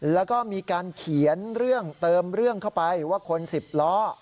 แล้วก็มีการเขียนเรื่องเติมเรื่องเข้าไปว่าคน๑๐ล้อ